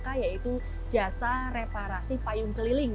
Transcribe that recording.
kita bisa berpengalaman